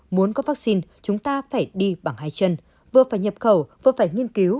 muốn có vaccine chúng ta phải đi bằng hai chân vừa phải nhập khẩu vừa phải nghiên cứu